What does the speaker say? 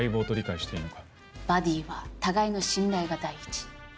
バディは互いの信頼が第一。